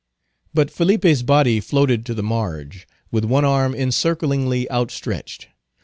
But Felipe's body floated to the marge, with one arm encirclingly outstretched.